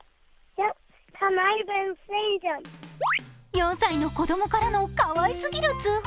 ４歳の子供からのかわいすぎる通報。